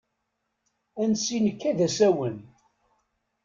Ansi nekka d asawen.